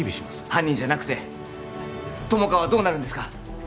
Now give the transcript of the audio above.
犯人じゃなくて友果はどうなるんですか？